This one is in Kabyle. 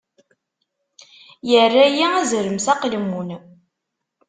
Irra-yi azrem s aqelmun.